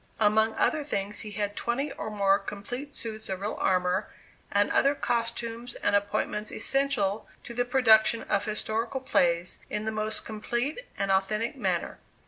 Among other things, he had twenty or more complete suits of real armor and other costumes and appointments essential to the production of historical plays, in the most complete and authentic manner.